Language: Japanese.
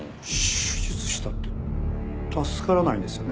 手術したって助からないんですよね？